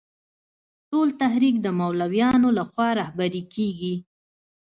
ټول تحریک د مولویانو له خوا رهبري کېږي.